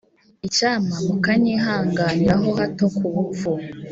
Icyampa mukanyihanganira ho hato ku bupfu